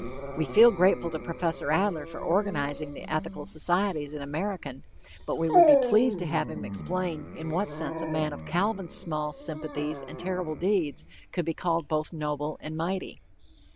We feel grateful to Prof. Adler for organizing the Ethical Societies in American, but we would be pleased to have him explain in what sense a man of Calvin's small sympathies and terrible deeds could be called both "noble and mighty."